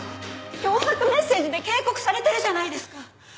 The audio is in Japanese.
脅迫メッセージで警告されてるじゃないですか！